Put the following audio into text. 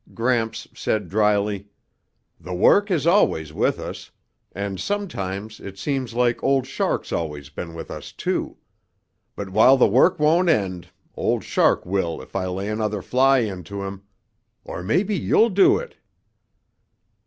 Gramps said dryly, "The work is always with us, and sometimes it seems like Old Shark's always been with us, too. But while the work won't end, Old Shark will if I lay another fly into him. Or maybe you'll do it?"